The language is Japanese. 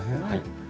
はい。